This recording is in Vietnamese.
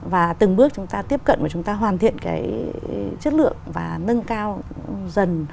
và từng bước chúng ta tiếp cận và chúng ta hoàn thiện cái chất lượng và nâng cao dần